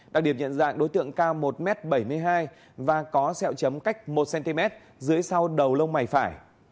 đặc điểm nhận dạng đối tượng cao một m bảy mươi hai và có sẹo chấm cách một cm dưới sau đầu lông mày phải